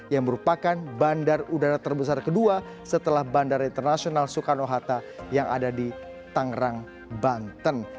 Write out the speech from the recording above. yang merupakan bandar udara terbesar kedua setelah bandara internasional soekarno hatta yang ada di tangerang banten